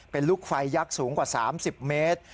เป็นลูกไฟยักษ์สูงกว่า๓๐เมตร